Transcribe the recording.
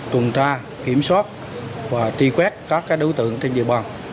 tuần tra kiểm soát và truy quét các đối tượng trên địa bàn